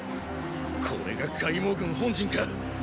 これが凱孟軍本陣か。